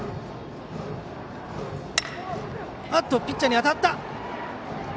ピッチャーに当たった。